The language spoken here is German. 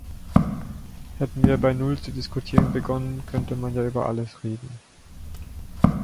Hätten wir bei Null zu diskutieren begonnen, könnte man ja über alles reden.